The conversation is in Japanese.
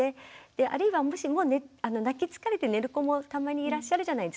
あるいはもし泣き疲れて寝る子もたまにいらっしゃるじゃないですか。